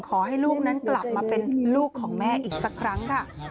ขอให้ลูกนั้นกลับมาเป็นลูกของแม่อีกสักครั้งค่ะ